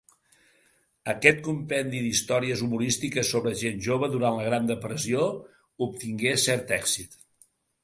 Aquest compendi d'històries humorístiques sobre gent jove durant la Gran depressió obtingué cert èxit.